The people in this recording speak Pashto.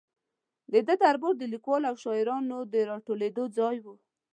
د ده دربار د لیکوالو او شاعرانو د را ټولېدو ځای و.